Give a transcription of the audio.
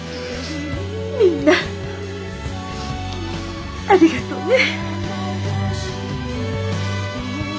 みんなありがとうね。